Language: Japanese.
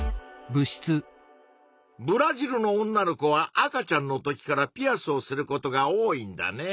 ブラジルの女の子は赤ちゃんの時からピアスをすることが多いんだね。